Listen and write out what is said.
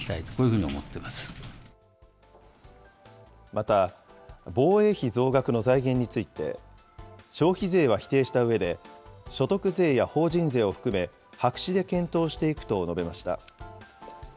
また、防衛費増額の財源について、消費税は否定したうえで、所得税や法人税を含め、白紙で検討していくと述べました。